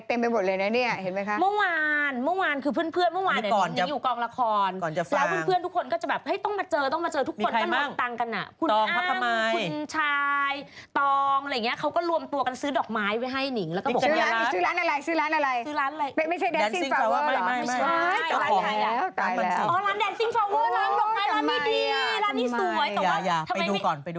แฟนคลับว่าอย่างไรแฟนคลับว่าอย่างไรแฟนคลับว่าอย่างไรแฟนคลับว่าอย่างไรแฟนคลับว่าอย่างไรแฟนคลับว่าอย่างไรแฟนคลับว่าอย่างไรแฟนคลับว่าอย่างไรแฟนคลับว่าอย่างไรแฟนคลับว่าอย่างไรแฟนคลับว่าอย่างไรแฟนคลับว่าอย่างไรแฟนคลับว่าอย่างไรแฟนคลับว่าอย่